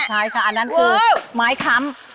ใช่ค่ะอันนั้นคือไม้ค้ำ